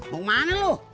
mau kemana lu